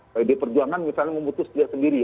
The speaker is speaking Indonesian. pdi perjuangan misalnya memutus tidak sendiri